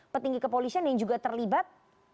petinggi kepolisian yang juga terlibat